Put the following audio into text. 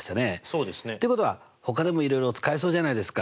そうですね。ってことはほかでもいろいろ使えそうじゃないですか？